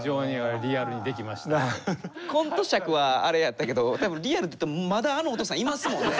コント尺はあれやったけどたぶんリアルだったらまだあのお父さんいますもんね。